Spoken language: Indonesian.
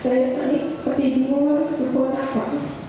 saya mencari seperti dimulai sebuah napa